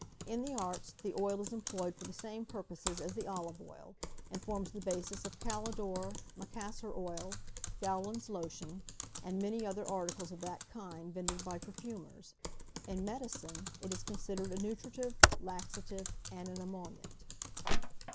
In the arts, the oil is employed for the same purposes as the olive oil, and forms the basis of kalydor, macassar oil, Gowland's lotion, and many other articles of that kind vended by perfumers. In medicine, it is considered a nutritive, laxative, and an emollient.